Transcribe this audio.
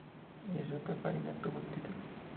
Giuseppe Farina obtuvo el título.